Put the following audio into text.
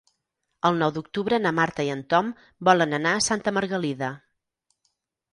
El nou d'octubre na Marta i en Tom volen anar a Santa Margalida.